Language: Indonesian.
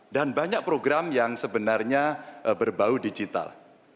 dan banyak program yang sebenarnya berbau digital